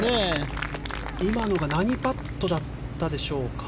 今のが何パットだったでしょうか。